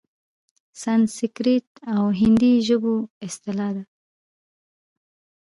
سنسکریت او هندي ژبو اصطلاح ده؛